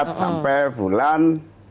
mandat sampai bulan